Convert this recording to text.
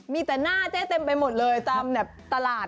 มีแต่หน้าเจ๊เต็มไปหมดเลยตามแบบตลาด